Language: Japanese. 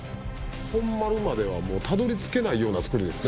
本丸まではもうたどり着けないようなつくりですね